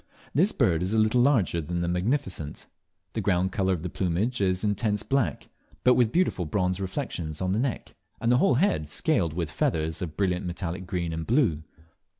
This bird is a little larger than the Magnificent. The ground colour of the plumage is intense black, but with beautiful bronze reflections on the neck, and the whole head scaled with feathers of brilliant metallic green and blue.